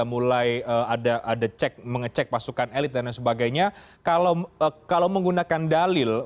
harus ada detail